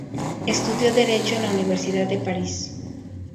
Estudió derecho en la Universidad de París.